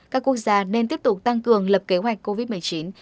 các quốc gia nên tiếp tục tăng cường lập kế hoạch covid một mươi chín